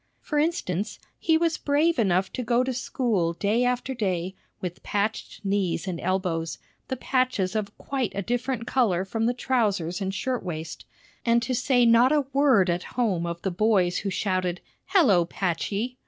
For instance, he was brave enough to go to school day after day with patched knees and elbows, the patches of quite a different color from the trousers and shirt waist, and to say not a word at home of the boys who shouted, "Hello, Patchey!"